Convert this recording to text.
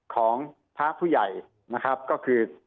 ของพระผู้ใหญ่ก็คือ